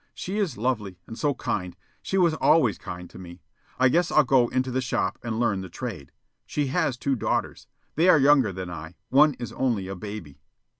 She is lovely, and so kind. She was always kind to me. I guess I'll go into the shop and learn the trade. She has two daughters. They are younger than I. One is only a baby."